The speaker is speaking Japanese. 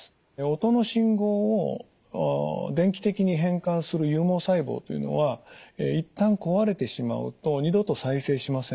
音の信号を電気的に変換する有毛細胞というのは一旦壊れてしまうと二度と再生しません。